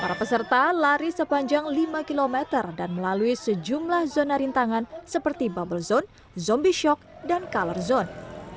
para peserta lari sepanjang lima km dan melalui sejumlah zona rintangan seperti bubble zone zombie shock dan color zone